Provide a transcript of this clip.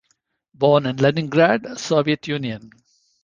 Born in Leningrad, Soviet Union.